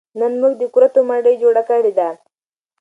نن موږ د کورتو مړۍ جوړه کړې ده